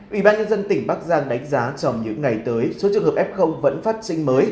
ủy ban nhân dân tỉnh bắc giang đánh giá trong những ngày tới số trường hợp f vẫn phát sinh mới